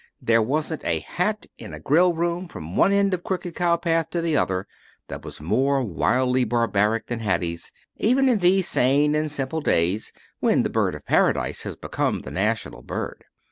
There wasn't a hat in a grill room from one end of the Crooked Cow path to the other that was more wildly barbaric than Hattie's, even in these sane and simple days when the bird of paradise has become the national bird.